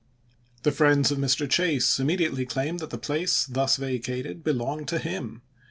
The friends of Mr. Chase immediately claimed that the place thus vacated belonged to him.